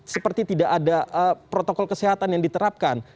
seperti tidak ada protokol kesehatan yang diterapkan